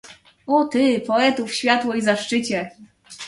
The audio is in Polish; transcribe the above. "O ty, poetów światło i zaszczycie!"